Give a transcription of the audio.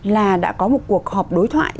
là đã có một cuộc họp đối thoại